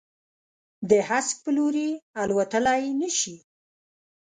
د هسک په لوري، الوتللای نه شي